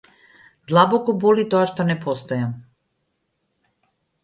Длабоко боли тоа што не постојам.